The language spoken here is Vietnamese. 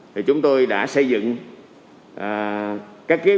thì chúng tôi đã xây dựng các kế hoạch